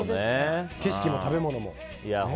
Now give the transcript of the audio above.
景色も食べ物も。